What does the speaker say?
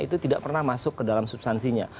itu tidak pernah masuk ke dalam substansinya